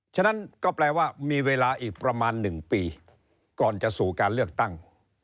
ฉะนั้นก็แปลว่ามีเวลาอีกประมาณ๑ปีก่อนจะสู่การเลือกตั้ง